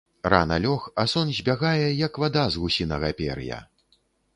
Рана лёг, а сон збягае, як вада з гусінага пер'я.